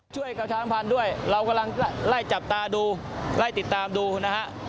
ช่วยกับช้างพันธุ์ด้วยเรากำลังไล่จับตาดูไล่ติดตามดูนะฮะ